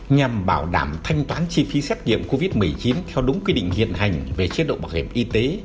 nhằm bảo đảm thanh toán chi phí xét nghiệm covid một mươi chín theo đúng quy định hiện hành về chế độ bảo hiểm y tế